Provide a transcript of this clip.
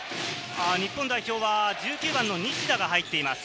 日本代表は１９番の西田が入っています。